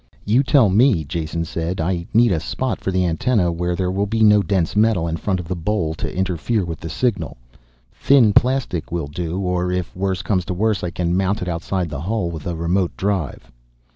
"You tell me," Jason said. "I need a spot for the antenna where there will be no dense metal in front of the bowl to interfere with the signal. Thin plastic will do, or if worst comes to worst I can mount it outside the hull with a remote drive."